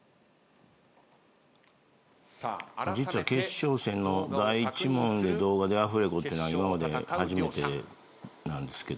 実は決勝戦の第１問で動画でアフレコっていうのは今まで初めてなんですけどね。